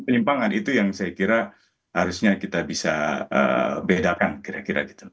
penyimpangan itu yang saya kira harusnya kita bisa bedakan kira kira gitu